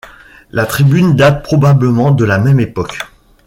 La tribune date probablement de la même époque.